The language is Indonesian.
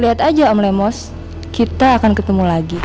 lihat aja om lemos kita akan ketemu lagi